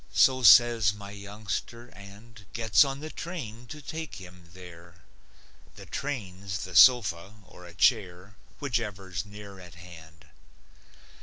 So says my youngster, and Gets on the train to take him there (The train's the sofa or a chair, Whichever's near at hand.)